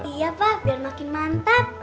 iya pak biar makin mantap